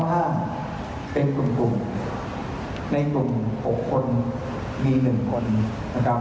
ก่อนข้างห้างเป็นกลุ่มกลุ่มในกลุ่มหกคนมีหนึ่งคนนะครับ